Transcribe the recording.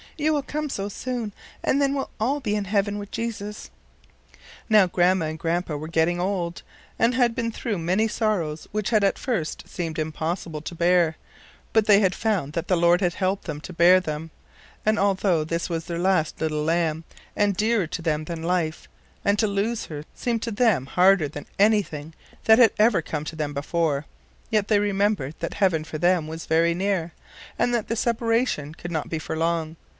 You will come so soon, and then we'll all be in heaven with Jesus." Now Grandma and Grandpa were getting old, and had been through many sorrows which had at first seemed impossible to bear, but they had found that the Lord had helped them to bear them; and although this was their last little lamb, and dearer to them than life, and to lose her seemed to them harder than anything that had ever come to them before, yet they remembered that heaven for them was very near, and that the separation could not be for long.